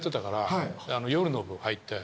夜の部入って。